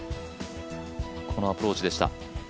このアプローチでした。